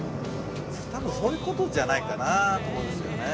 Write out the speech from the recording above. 多分そういう事じゃないかなと思うんですよね。